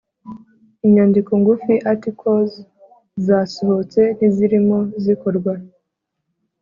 inyandiko ngufi articles zasohotse n izirimo zikorwa